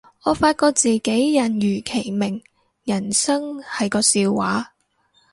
我發覺自己人如其名，人生係個笑話